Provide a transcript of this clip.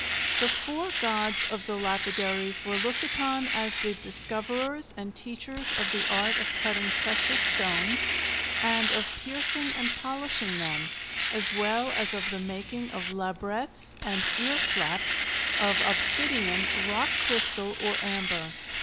The four gods of the lapidaries were looked upon as the discoverers and teachers of the art of cutting precious stones and of piercing and polishing them, as well as of the making of labrets and earflaps of obsidian, rock crystal, or amber.